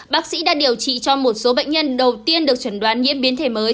bác sĩ đã điều trị cho một số bệnh nhân đầu tiên được chuẩn đoán nhiễm biến thể mới